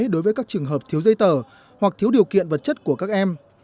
đối với các trường hợp thiếu giấy tờ hoặc thiếu điều kiện vật chất của các em